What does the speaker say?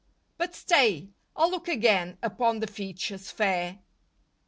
But stay, I'll look again Upon the features fair.